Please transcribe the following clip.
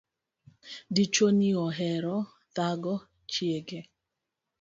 Dichuo ni ohero thago chiege